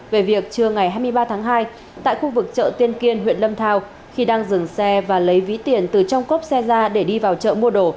về việc trưa ngày hai mươi ba tháng hai tại khu vực chợ tiên kiên huyện lâm thao khi đang dừng xe và lấy ví tiền từ trong cốp xe ra để đi vào chợ mua đồ